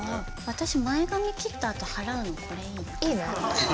私前髪切ったあと払うのこれいいなあ。